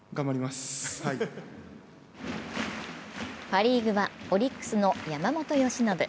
パ・リーグはオリックスの山本由伸。